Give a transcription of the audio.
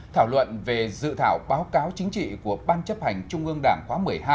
thảo luận về dự thảo báo cáo chính trị của ban chấp hành trung ương đảng khóa một mươi hai